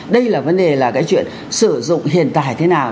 đây là vấn đề là cái chuyện sử dụng hiện tại thế nào